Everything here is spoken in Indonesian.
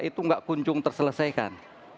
itu tidak kunjung terselesaikan